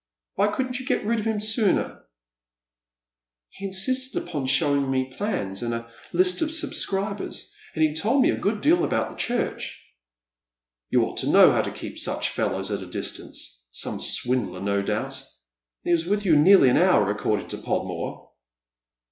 Why couldn't you get rid of him sooner ?"" He insisted upon showing me plans, and a list of subscribers, and he told me a good deal about the church." " You ought to know how to keep such fellows at a distance. Some swindler, no doubt. And he was with you nearly an hour, according to Podmore."